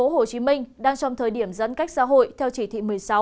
hồ chí minh đang trong thời điểm dẫn cách xã hội theo chỉ thị một mươi sáu